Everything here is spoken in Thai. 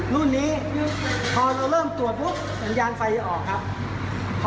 รุ่นนี้พอเราเริ่มตรวจปุ๊บสัญญาณไฟจะออกครับ